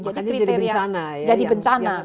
makanya jadi bencana ya